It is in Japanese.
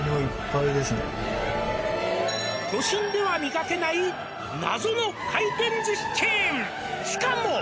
「都心では見かけない謎の回転寿司チェーン」「しかも！」